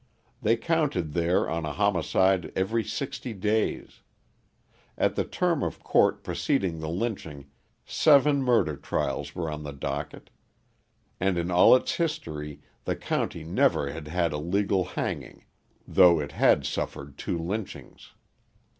They counted there on a homicide every sixty days; at the term of court preceding the lynching seven murder trials were on the docket; and in all its history the county never had had a legal hanging, though it had suffered two lynchings.